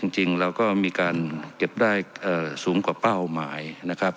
จริงเราก็มีการเก็บได้สูงกว่าเป้าหมายนะครับ